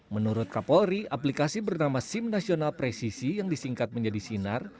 menurut kapolri aplikasi bernama sim nasional presisi yang disingkat menjadi sinar